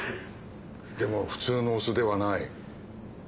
でも普通のお酢ではない。